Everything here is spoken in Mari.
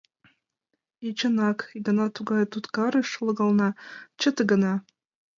И, чынак, икана тугай туткарыш логална, чыте гына!